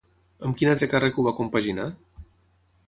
Amb quin altre càrrec ho va compaginar?